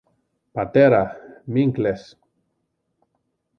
πατέρα, μην κλαις.